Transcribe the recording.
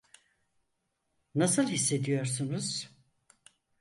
Nasıl hissediyorsunuz?